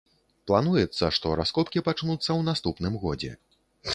Плануецца, што раскопкі пачнуцца ў наступным годзе.